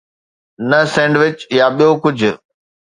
نه سينڊوچ يا ٻيو ڪجهه.